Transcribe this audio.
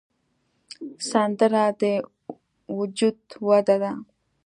سندره د وجد وده ده